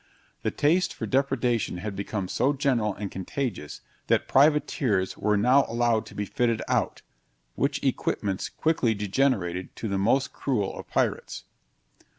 The taste for depredation had become so general and contagious, that privateers were now allowed to be fitted out, which equipments quickly degenerated to the most cruel of pirates.